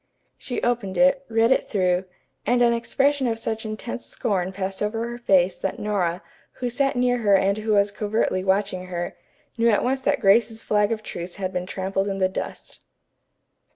She opened it, read it through, and an expression of such intense scorn passed over her face that Nora, who sat near her and who was covertly watching her, knew at once that Grace's flag of truce had been trampled in the dust.